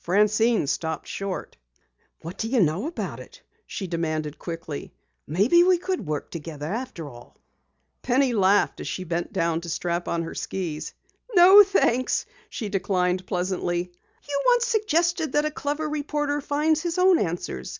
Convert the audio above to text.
Francine stopped short. "What do you know about it?" she demanded quickly. "Maybe we could work together after all." Penny laughed as she bent down to strap on her skis. "No, thanks," she declined pleasantly. "You once suggested that a clever reporter finds his own answers.